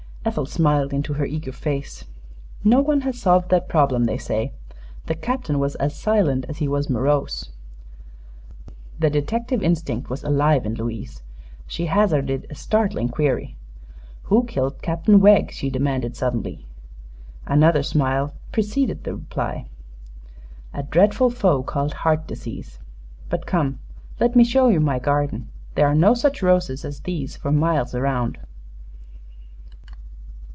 Ethel smiled into her eager face. "No one has solved that problem, they say. The Captain was as silent as he was morose." The detective instinct was alive in Louise. She hazarded a startling query: "Who killed Captain Wegg?" she demanded, suddenly. Another smile preceded the reply. "A dreadful foe called heart disease. But come; let me show you my garden. There are no such roses as these for miles around."